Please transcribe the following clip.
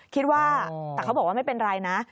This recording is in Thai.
คิดว่าแต่เขาบอกว่าไม่เป็นไรนะ